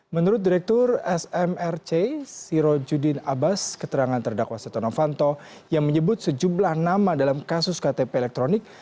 menurut direktur smrc sirojudin abbas keterangan terdakwa setonofanto yang menyebut sejumlah nama dalam kasus ktp elektronik